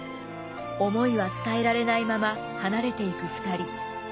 思いは伝えられないまま離れていく２人。